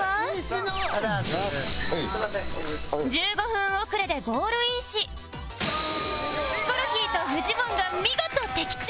１５分遅れでゴールインしヒコロヒーとフジモンが見事的中